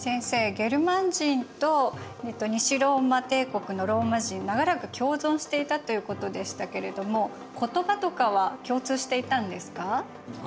ゲルマン人と西ローマ帝国のローマ人長らく共存していたということでしたけれども言葉とかは共通していたんですか？